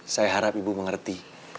saya harap ibu mengerti